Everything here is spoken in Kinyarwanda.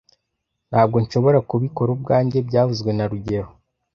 Ntabwo nshobora kubikora ubwanjye byavuzwe na rugero